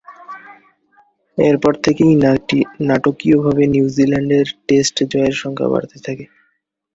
এরপর থেকেই নাটকীয়ভাবে নিউজিল্যান্ডের টেস্ট জয়ের সংখ্যা বাড়তে থাকে।